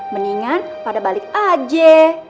mendingan pada balik aja